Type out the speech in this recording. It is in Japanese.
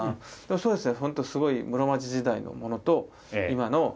そうですねぇ。